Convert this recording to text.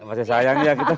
masih sayang ya gitu